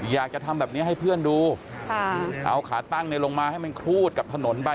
อยากจะทำแบบนี้ให้เพื่อนดูเอาขาตั้งลงมาให้มันครูดกับถนนไป